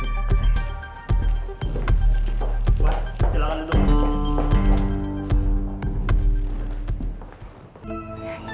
mas silakan duduk